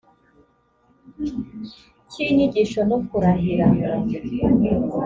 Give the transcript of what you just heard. cy inyigisho no kurahira